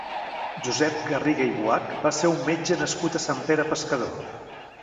Josep Garriga i Buach va ser un metge nascut a Sant Pere Pescador.